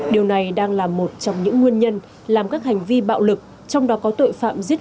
điều này đang là một trong những nguyên nhân làm các hành vi bạo lực trong đó có tội phạm giết